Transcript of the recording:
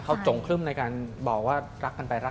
เขาจงครึ่มในการบอกว่ารักกันไปรัก